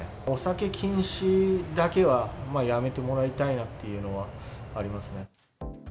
お酒禁止だけは、やめてもらいたいなっていうのはありますね。